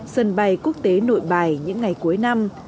sân bay quốc tế nội bài những ngày cuối năm